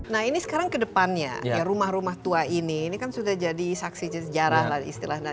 nah ini sekarang kedepannya ya rumah rumah tua ini ini kan sudah jadi saksi sejarah lah istilahnya